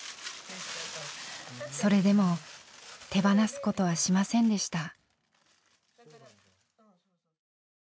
それでも手放すことはしませんでした。